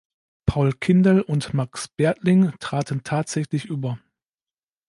Paul Kindel und Max Bertling traten tatsächlich über.